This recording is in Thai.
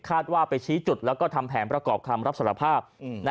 ว่าไปชี้จุดแล้วก็ทำแผนประกอบคำรับสารภาพ